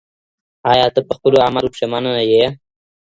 آیا ته په خپلو اعمالو پښېمانه یې؟